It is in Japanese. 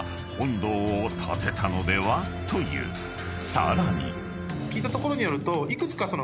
［さらに］